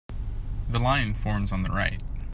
The line forms on the right.